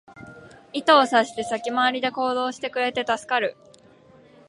意図を察して先回りで行動してくれて助かる